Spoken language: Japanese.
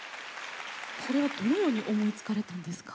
これはどのように思いつかれたんですか？